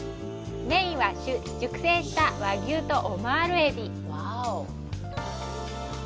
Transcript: メインは熟成した和牛とオマールエビ。